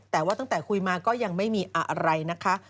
แต่ว่าตั้งแต่คุยมาก็ยังไม่มีอะไรนะคะ